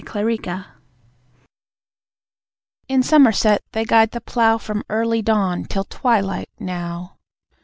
In Somerset In Somerset they guide the plough From early dawn till twilight now.